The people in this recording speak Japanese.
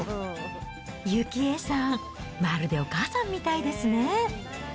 由紀江さん、まるでお母さんみたいですね。